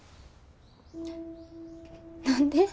何で？